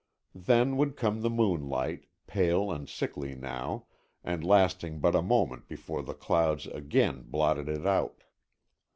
Then would come the moonlight, pale and sickly now, and lasting but a moment before the clouds again blotted it out.